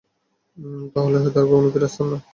তাহলে হয়তো আর কখনও ফিরে আসতাম না।